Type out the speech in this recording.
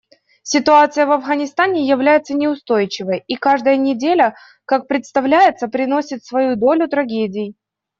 Ситуация в Афганистане является неустойчивой, и каждая неделя, как представляется, приносит свою долю трагедий.